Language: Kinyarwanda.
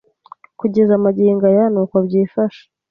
Kugeza magingo aya nuko byifashe